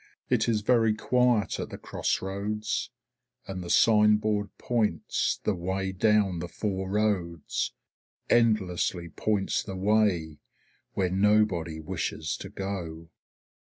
It is very quiet at the cross roads, and the sign board points the way down the four roads, endlessly points the way where nobody wishes to go.